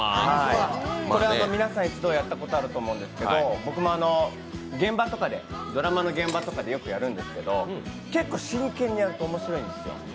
これは皆さん一度やったことあると思うんですけど、僕もドラマの現場とかでよくやるんですけど、結構、真剣にやると面白いんですよ。